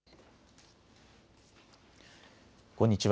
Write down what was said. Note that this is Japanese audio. こんにちは。